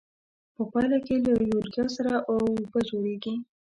په پایله کې له یوریا سره او اوبه جوړیږي.